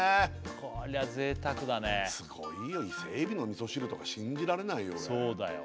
こりゃ贅沢だねすごいよ伊勢海老の味噌汁とか信じられないよね